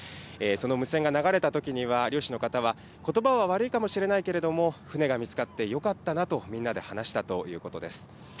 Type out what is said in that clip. その無線が流れたときには漁師の方は、ことばは悪いかもしれないけれども、船が見つかってよかったなとみんなで話したということです。